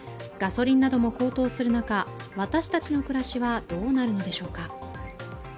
ガソリンなども高騰する中、私たちの暮らしはどうなるのでしょうか。